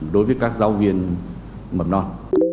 đối với các giáo viên mầm non